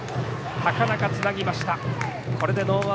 高中、つなぎました。